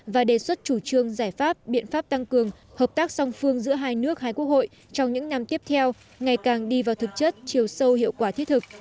và đề xuất chủ trương giải pháp biện pháp tăng cường hợp tác song phương giữa hai nước hai quốc hội trong những năm tiếp theo ngày càng đi vào thực chất chiều sâu hiệu quả thiết thực